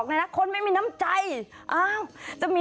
แน่ค่ะสวนมาแบบนี้